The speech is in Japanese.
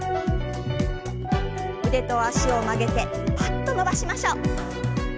腕と脚を曲げてパッと伸ばしましょう。